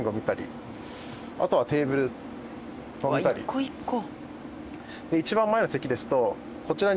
一個一個。